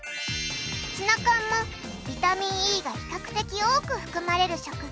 ツナ缶もビタミンＥが比較的多く含まれる食材。